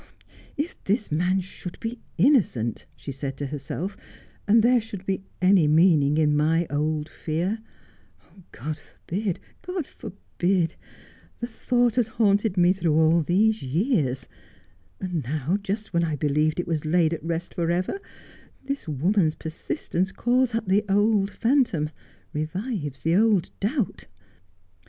' If this man should be innocent,' she said to herself, ' and there should be any meaning in my old fear — God forbid ! God forbid ! The thought has haunted me through all these years ; and now, just when I believed it was laid at rest for ever, this woman's persistence calls up the old phantom — revives the old doubt.'